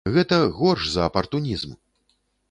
Гэта горш за апартунізм!